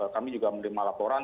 kami juga menerima laporan